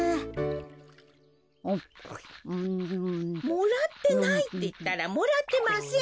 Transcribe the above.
・もらってないっていったらもらってません！